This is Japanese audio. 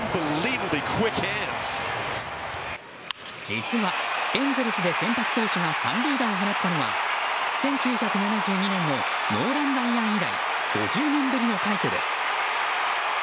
実は、エンゼルスで先発投手が三塁打を放ったのは１９７２年のノーラン・ライアン以来５０年ぶりの快挙です。